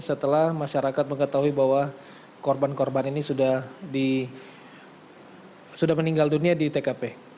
setelah masyarakat mengetahui bahwa korban korban ini sudah meninggal dunia di tkp